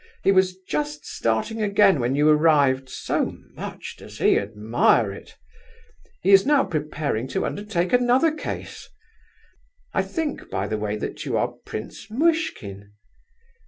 He was just starting again when you arrived, so much does he admire it. He is now preparing to undertake another case. I think, by the way, that you are Prince Muishkin?